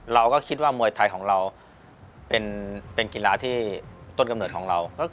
เราก็คิดว่ามวยไทยของเราเป็นกีฬาที่ต้นกำเนิดของเรา